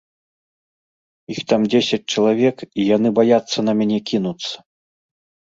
Іх там дзесяць чалавек, і яны баяцца на мяне кінуцца.